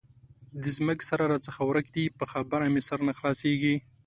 د ځمکې سره راڅخه ورک دی؛ په خبره مې سر نه خلاصېږي.